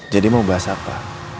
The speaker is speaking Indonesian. jadi mau bahas apa